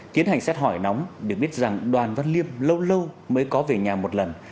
tiến hành xét hỏi nóng được biết rằng đoàn văn liêm lâu lâu mới có về nhà một lần